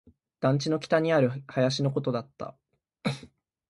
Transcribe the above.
団地の北にある林のことだった